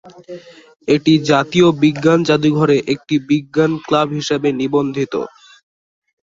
এটি জাতীয় বিজ্ঞান জাদুঘরে একটি বিজ্ঞান ক্লাব হিসেবে নিবন্ধিত।